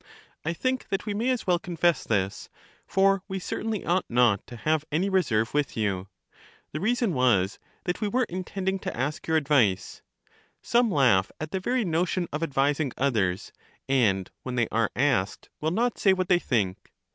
I think that we may as well confess this, for we certainly ought not to have any reserve with you. The reason was, that we were intending to ask your advice. Some laugh at the very notion of advising others, and when they are asked will not say what they think.